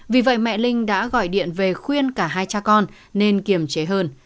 vì vậy mẹ linh đã gọi điện về khuyên cả hai cha con nên kiềm chế hơn